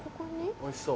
おいしそう！